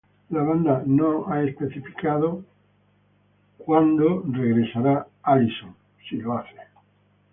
La banda no ha especificado cuándo o si Allison regresará.